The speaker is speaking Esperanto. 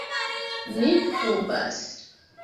Mi dubas.